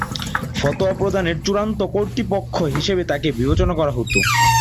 ফতোয়া প্রদানের চূড়ান্ত কর্তৃপক্ষ হিসেবে তাকে বিবেচনা করা হত।